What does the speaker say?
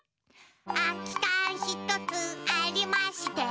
「あきかん１つありまして」